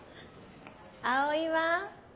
葵は？